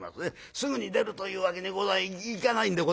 すぐに出るというわけにいかないんでございますね。